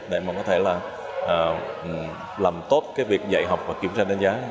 để có thể làm tốt việc dạy học và kiểm tra đánh giá